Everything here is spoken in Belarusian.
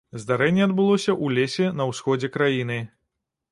Здарэнне адбылося ў лесе на ўсходзе краіны.